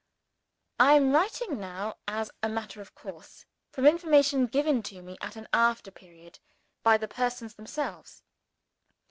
I am writing now (as a matter of course) from information given to me, at an after period, by the persons themselves.